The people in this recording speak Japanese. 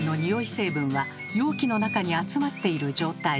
成分は容器の中に集まっている状態。